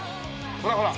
ほらほら。